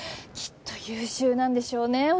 きっと優秀なんでしょうね